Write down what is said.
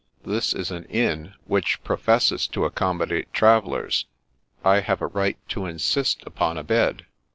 This is an inn, which professes to accommodate travellers. I have a right to insist upon a bed."